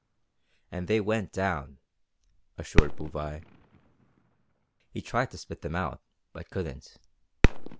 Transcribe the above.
"And they went down," assured Bouvais. "He tried to spit them out, but couldn't."